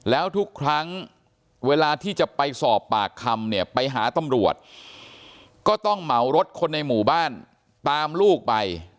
แล้วทุกครั้งเวลาที่จะไปสอบปากคำเนี่ยไปหาตำรวจก็ต้องเหมารถคนในหมู่บ้านตามลูกไป